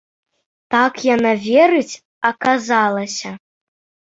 Так, яна верыць, аказалася.